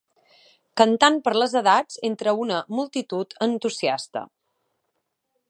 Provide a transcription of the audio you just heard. Cantant per les edats entre una multitud entusiasta.